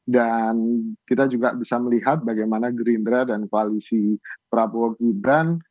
dan kita juga bisa melihat bagaimana gerindra dan koalisi prabowo gibran